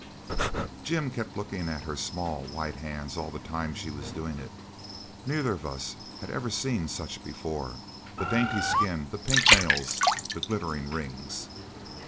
Jim kept looking at her small white hands all the time she was doing it. Neither of us had ever seen such before the dainty skin, the pink nails, the glittering rings.